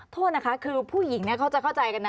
โทษนะคะคือผู้หญิงจะเข้าใจนั้น